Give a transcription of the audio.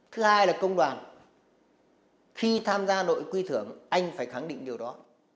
thứ hai là công đoàn khi tham gia nội quy thưởng anh phải khẳng định điều đó